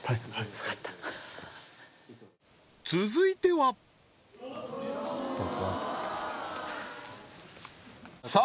よかった続いてはお願いしますさあ